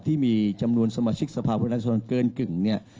ที่มีจำนวนสมาชิกสภาพพลังชนเกินกึ่งเนี่ย